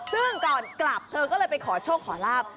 ซึ่งก่อนไปกลับเราก็ไปขอโชคของราบ